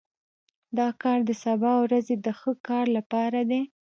دا کار د سبا ورځې د ښه کار لپاره دی